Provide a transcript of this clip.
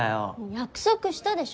約束したでしょ。